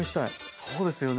そうですよね。